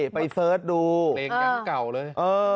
ไปเสิร์ชดูเพลงดังเก่าเลย